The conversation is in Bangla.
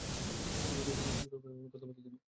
তুমি কি ওকে এভাবে কথা বলতে দেবে?